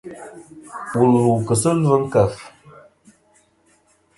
Wù lu kɨ sɨ ɨlvɨ ɨ nkèf.